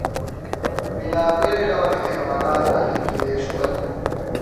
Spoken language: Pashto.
بېلابېل ډول حیوانات اهلي کېدای شول.